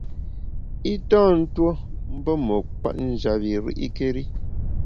I tâ tuo mbù me kwet njap bi ri’kéri.